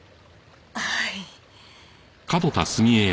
はい。